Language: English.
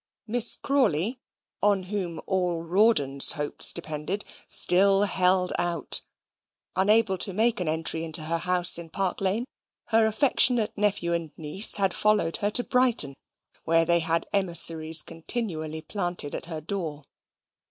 Miss Crawley, on whom all Rawdon's hopes depended, still held out. Unable to make an entry into her house in Park Lane, her affectionate nephew and niece had followed her to Brighton, where they had emissaries continually planted at her door.